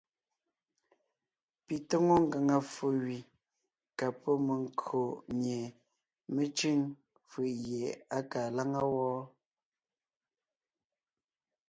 Pi tóŋo ngàŋa ffo gẅi ka pɔ́ menkÿo mie mé cʉ̂ŋ fʉʼ gie á kaa láŋa wɔ́.